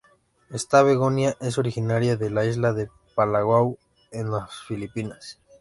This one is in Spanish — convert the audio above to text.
Esta begonia es originaria de la Isla de Palawan en las Filipinas.